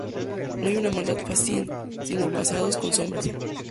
No hay una maldad fácil, sino pasados con sombras.